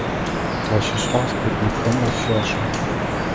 Ащ ышъхьагъ спутникхэм Ӏоф щашӀэ.